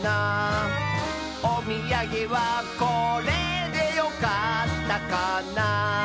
「おみやげはこれでよかったかな」